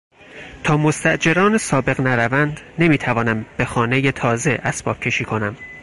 تا مستاجران سابق نروند نمیتوانم به خانهی تازه اسباب کشی کنم.